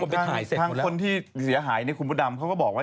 ทางคนที่เสียหายในคุณพุดำเขาก็บอกว่า